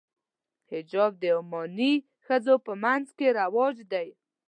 حجاب د عماني ښځو په منځ کې رواج دی.